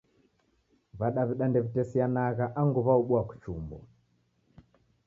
W'adaw'ida ndewitesianagha angu w'aobua kuchumbwa.